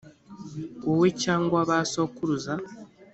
wowe cyangwa ba sokuruza